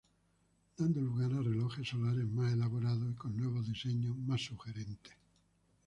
Dando lugar a relojes solares más elaborados y con nuevos diseños más sugerentes.